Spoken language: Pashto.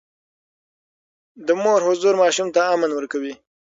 د مور حضور ماشوم ته امن ورکوي.